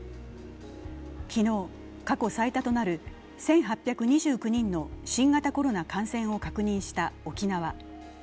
昨日、過去最多となる１８２９人の新型コロナ感染を確認した沖縄。